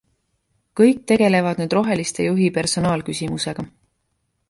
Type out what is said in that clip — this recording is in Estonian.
Kõik tegelevad nüüd roheliste juhi personaalküsimusega.